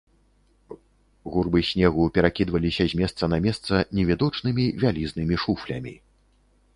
Гурбы снегу перакідваліся з месца на месца невідочнымі вялізнымі шуфлямі.